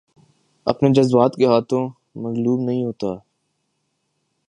اپنے جذبات کے ہاتھوں مغلوب نہیں ہوتا